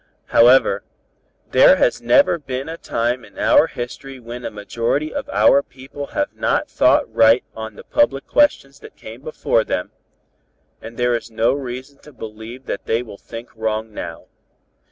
"However, there has never been a time in our history when a majority of our people have not thought right on the public questions that came before them, and there is no reason to believe that they will think wrong now.